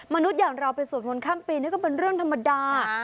อย่างเราไปสวดมนต์ข้ามปีนี่ก็เป็นเรื่องธรรมดา